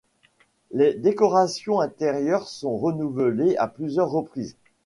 Les décorations intérieures sont renouvelées à plusieurs reprises.